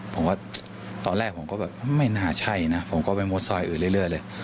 ผมว่าตอนแรกผมก็แบบไม่น่าใช่นะผมก็ไปมดซอยอื่นเรื่อยเลย